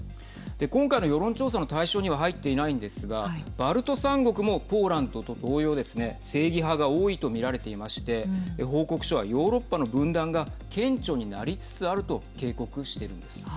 今回の世論調査の対象には入っていないんですがバルト３国もポーランドと同様ですね正義派が多いとみられていまして報告書はヨーロッパの分断が顕著になりつつあると警告してるんです。